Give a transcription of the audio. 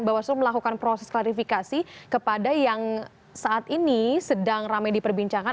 bawaslu melakukan proses klarifikasi kepada yang saat ini sedang ramai diperbincangkan